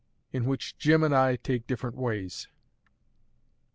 IN WHICH JIM AND I TAKE DIFFERENT WAYS.